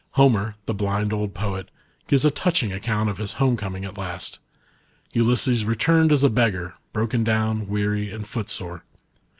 Homer, the blind old poet, gives a touching account o^ his home coming at last. Ulys3es returned as a beggar, broken down, weary, and footsore.